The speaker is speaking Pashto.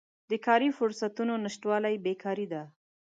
د کاري فرصتونو نشتوالی بیکاري ده.